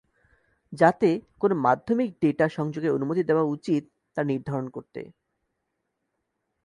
যাতে কোন মাধ্যমিক ডেটা সংযোগের অনুমতি দেওয়া উচিত, তা নির্ধারণ করতে।